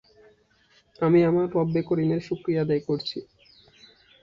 দীপঙ্কর তিব্বতের বিভিন্ন অংশে ভ্রমণ করেন এবং বৌদ্ধ ধর্মের ব্যাপক সংস্কার সাধন করেন।